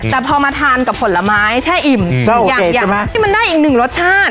แต่พอมาทานกับผลไม้แช่อิ่มอย่างที่มันได้อีกหนึ่งรสชาติ